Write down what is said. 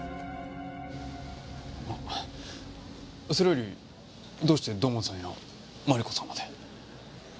それよりどうして土門さんやマリコさんまで？